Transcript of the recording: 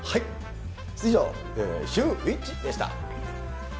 以上、シューＷｈｉｃｈでした。